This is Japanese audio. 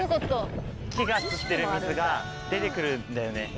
木が吸ってる水が出てくるんだよね。